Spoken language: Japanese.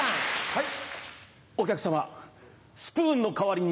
はい。